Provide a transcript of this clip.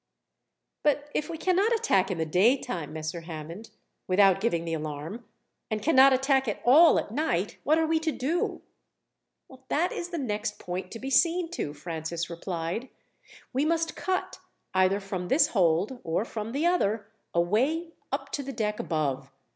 "But if we cannot attack in the daytime, Messer Hammond, without giving the alarm; and cannot attack at all at night, what are we to do?" "That is the next point to be seen to," Francis replied. "We must cut, either from this hold or from the other, a way up to the deck above.